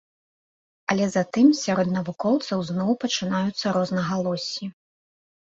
Але затым сярод навукоўцаў зноў пачынаюцца рознагалоссі.